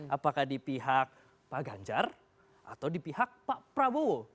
apakah di pihak pak ganjar atau di pihak pak prabowo